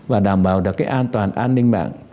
và đảm bảo được cái an toàn an ninh mạng